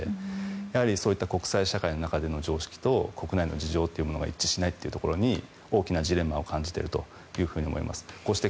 やはりそういった国際社会の中での常識と国内の事情が一致しないというところに大きなジレンマを感じていると思います。